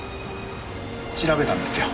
調べたんですよ。